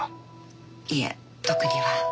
いえ特には。